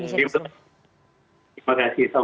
terima kasih assalamualaikum